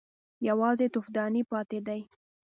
_يوازې تفدانۍ پاتې دي.